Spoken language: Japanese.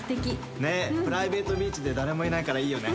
プライベートビーチで誰もいないからいいよね。